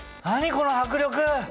この迫力！